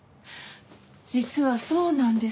実はそうなんです。